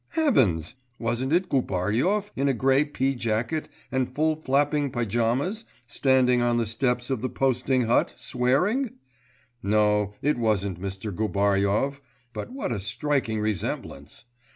Heavens! wasn't it Gubaryov in a grey pea jacket and full flapping pyjamas standing on the steps of the posting hut, swearing?... No, it wasn't Mr. Gubaryov.... But what a striking resemblance!...